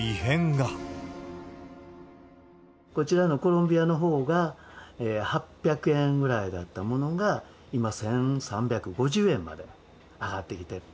こちらのコロンビアのほうが、８００円ぐらいだったものが、今、１３５０円まで上がってきてる。